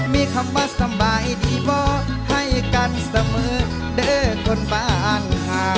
มีคำว่าสบายดีบอกให้กันเสมอเด้อคนบ้านหา